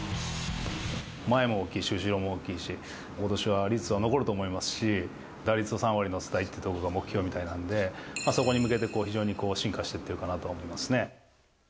前も大きいし、後ろも大きいし、ことしは率が残ると思いますし、打率３割乗せたいというのが目標みたいなんで、そこに向けて、非常に進化してってるかなとは思いますね。